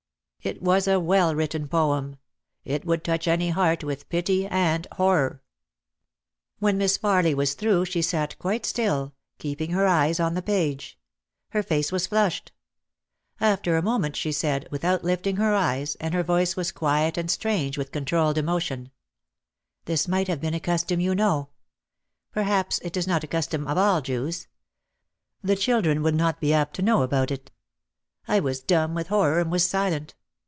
It was a well written poem. It would touch any heart with pity and horror. When Miss Farly was through she sat quite still, keep ing her eyes on the page. Her face was flushed. After a moment she said, without lifting her eyes, and her voice was quiet and strange with controlled emotion, "This might have been a custom you know — Perhaps it is not a custom of all Jews — The children would not be apt to know about it." I was dumb with horror and was silent.